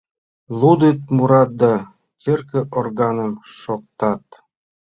Лудыт, мурат да черке органым шоктат.